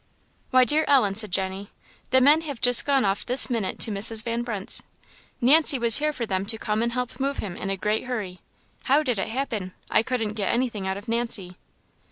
"Why, dear Ellen," said Jenny, "the men have just gone off this minute to Mrs. Van Brunt's. Nancy was here for them to come and help move him in a great hurry. How did it happen? I couldn't get anything out of Nancy."